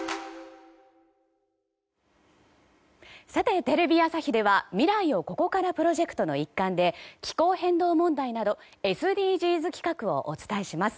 さて、テレビ朝日では未来をここからプロジェクトの一環で気候変動問題などＳＤＧｓ企画をお伝えします。